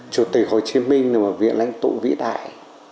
chủ tịch hồ chí minh là một vị lãnh tụ vĩ đại